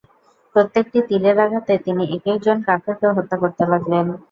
প্রত্যেকটি তীরের আঘাতে তিনি একেক জন কাফেরকে হত্যা করতে লাগলেন।